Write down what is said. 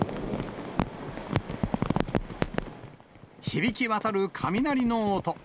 響き渡る雷の音。